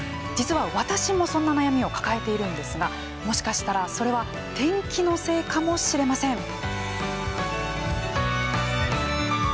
実は私もそんな悩みを抱えているんですがもしかしたら、それは天気のせいかもしれません。